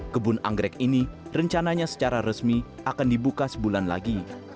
kebun anggrek ini rencananya secara resmi akan dibuka sebulan lagi